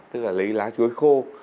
tức là lấy lá chuối khô